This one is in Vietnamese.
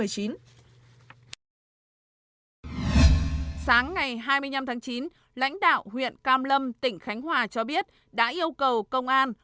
sáng ngày hai mươi năm tháng chín lãnh đạo huyện cam lâm tỉnh khánh hòa cho biết đã yêu cầu công an